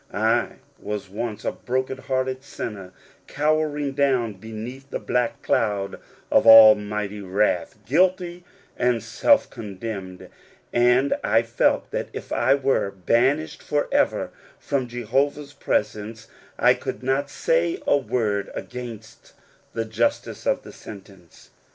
I was once a broken hearted sinner, cowering down beneath the black cloud of almighty wrath, guilty and self condemned, and I felt that if I were banished forever from Jehovah's presence, I could not say a word against the justice of the sentence.